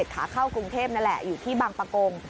ขาเข้ากรุงเทพนั่นแหละอยู่ที่บางประกง